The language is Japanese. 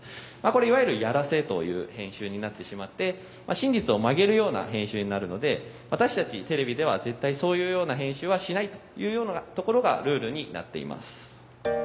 これいわゆる「ヤラセ」という編集になってしまって真実を曲げるような編集になるので私たちテレビでは絶対そういうような編集はしないというようなところがルールになっています。